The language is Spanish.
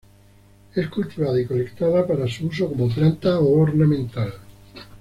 Es cultivada y colectada para su uso como planta ornamental.